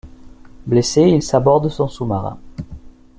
Blessé, il saborde son sous-marin.